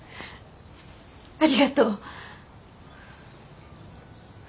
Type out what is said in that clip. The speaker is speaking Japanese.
ありがとう。